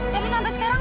tapi sampai sekarang